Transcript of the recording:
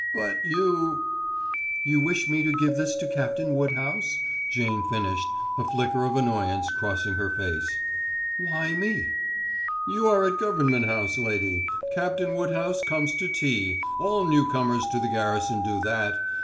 But you " "You wish me to give this to Captain Woodhouse?" Jane finished, a flicker of annoyance crossing her face. "Why me?" "You are at Government House, lady. Captain Woodhouse comes to tea all newcomers to the garrison do that.